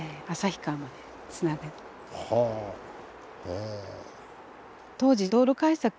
はあへえ。